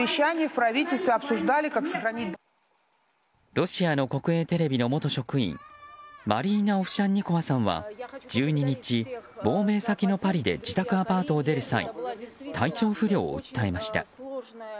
ロシアの国営テレビの元職員マリーナ・オフシャンニコワさんは１２日朝、亡命先のパリで自宅アパートを出る際体調不良を訴えました。